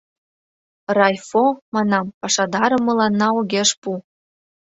— Райфо, манам, пашадарым мыланна огеш пу.